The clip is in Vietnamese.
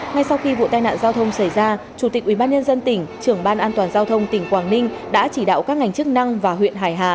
ngay sau khi vụ tai nạn giao thông xảy ra chủ tịch ubnd tỉnh trưởng ban an toàn giao thông tỉnh quảng ninh đã chỉ đạo các ngành chức năng và huyện hải hà